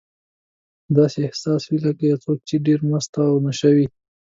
داسې احساس وي لکه یو څوک چې ډېر مست او نشه وي.